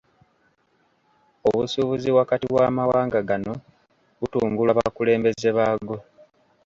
Obusuubuzi wakati w'amawanga gano butumbulwa bakulembeze baago.